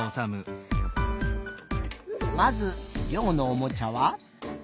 まずりょうのおもちゃは？